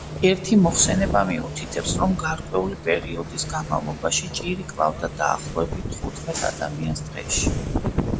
ერთი მოხსენება მიუთითებს, რომ გარკვეული პერიოდის განმავლობაში ჭირი კლავდა დაახლოებით თხუთმეტ ადამიანს დღეში.